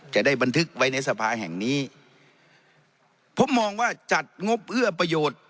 จะได้บันทึกไว้ในสภาแห่งนี้ผมมองว่าจัดงบเอื้อประโยชน์